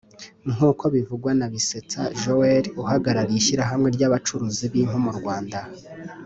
nk’uko bivugwa na Bisetsa Joel uhagarariye ishyirahamwe ry’abacuruzi b’impu mu Rwanda